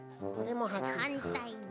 はんたいに。